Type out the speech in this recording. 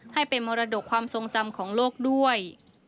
ให้เป็นมรดกความทรงจำของโลกด้วย